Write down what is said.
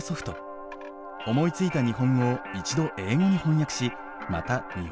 思いついた日本語を一度英語に翻訳しまた日本語に戻すのです。